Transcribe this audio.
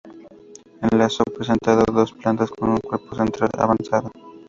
En alzado presenta dos plantas, con un cuerpo central avanzado.